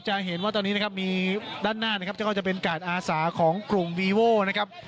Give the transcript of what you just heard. จะเห็นว่าตอนนี้นะครับมีด้านหน้านะครับก็จะเป็นกาดอาสาของกลุ่มวีโว้นะครับ